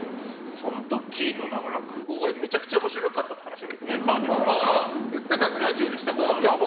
その時の落語がめちゃくちゃ面白かったって話が澤部にもラジオでしたことあるんですけど。